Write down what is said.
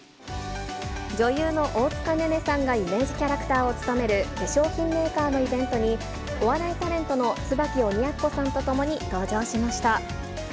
女優の大塚寧々さんがイメージキャラクターを務める化粧品メーカーのイベントに、お笑いタレントの椿鬼奴さんとともに登場しました。